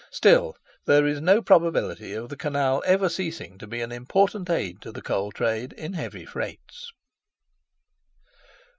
Still, there is no probability of the canal ever ceasing to be an important aid to the coal trade in heavy freights.